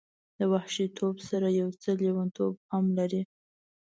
د وحشي توب سره یو څه لیونتوب هم لري.